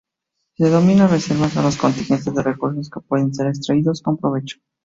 Se denomina "reservas" a los contingentes de recursos que pueden ser extraídos con provecho.